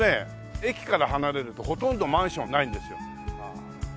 駅から離れるとほとんどマンションないんですよ。